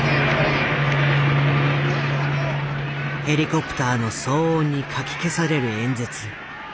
ヘリコプターの騒音にかき消される演説。